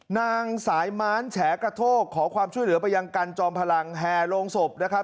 นางสายม้านแฉกระโทกขอความช่วยเหลือไปยังกันจอมพลังแห่โรงศพนะครับ